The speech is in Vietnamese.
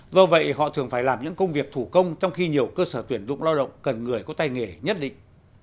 do vậy họ thường phải làm những công việc thủ công trong khi nhiều cơ sở tuyển dụng lao động cần người có tay nghề nhất định